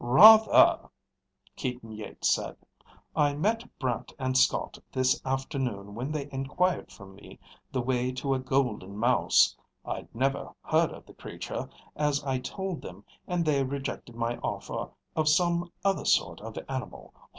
"Rather!" Keaton Yeats said. "I met Brant and Scott this afternoon when they inquired from me the way to a Golden Mouse. I'd never heard of the creature, as I told them, and they rejected my offer of some other sort of animal.